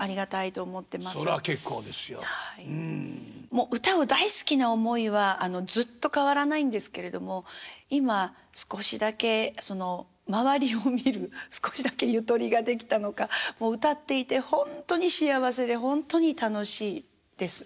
もう歌を大好きな思いはずっと変わらないんですけれども今少しだけ周りを見る少しだけゆとりができたのか歌っていてほんとに幸せでほんとに楽しいです。